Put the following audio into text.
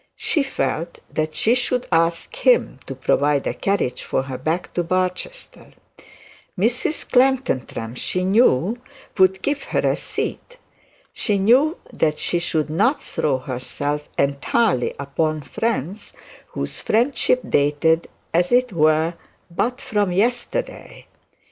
She felt that she should ask him to provide a carriage for her back to Barchester. Mrs Clantantram she knew would give her a seat. She knew that she should not throw herself entirely upon friends whose friendship dated as it were but from yesterday.